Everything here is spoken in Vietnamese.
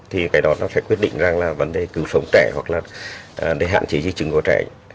thì cái đó nó sẽ quyết định rằng là vấn đề cứu sống trẻ hoặc là để hạn chế di chứng của trẻ